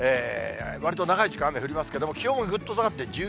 わりと長い時間、雨降りますけれども、気温はぐっと下がって１９度。